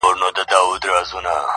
عشقه اول درد وروسته مرحم راکه،